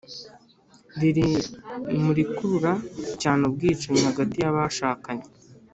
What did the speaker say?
riri mu rikurura cyane ubwicanyi hagati y’abashakanye